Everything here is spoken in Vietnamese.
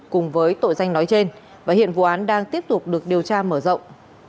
cùng với tội danh nói trên và hiện vụ án đang tiếp tục được điều tra mở rộng